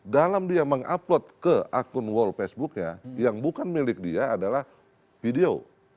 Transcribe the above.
dalam dia mengupload ke akun wall facebooknya yang bukan milik dia adalah video